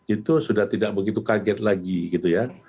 itu sudah tidak begitu kaget lagi gitu ya